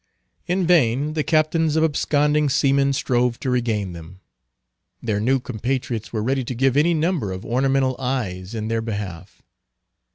In vain the captains of absconding seamen strove to regain them. Their new compatriots were ready to give any number of ornamental eyes in their behalf.